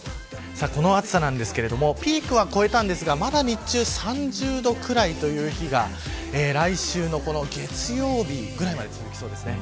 この暑さですがピークは越えたんですが日中は３０度くらいという日が来週の月曜日ぐらいまで続きそうです。